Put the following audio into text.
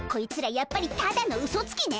やっぱりただのうそつきね！